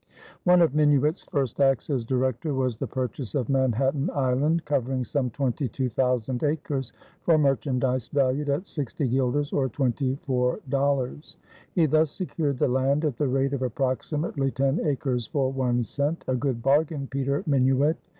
One of Minuit's first acts as Director was the purchase of Manhattan Island, covering some twenty two thousand acres, for merchandise valued at sixty guilders or twenty four dollars. He thus secured the land at the rate of approximately ten acres for one cent. A good bargain, Peter Minuit!